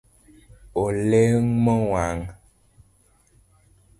Olemo wang.